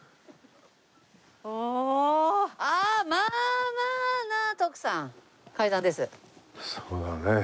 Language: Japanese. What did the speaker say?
おお！ああまあまあな徳さん階段です。